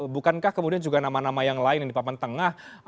bukankah kemudian juga nama nama yang lain yang di papan tengah